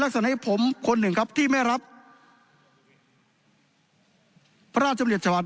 ลักษณะให้ผมคนหนึ่งครับที่ไม่รับพระราชจมติชาวร์ด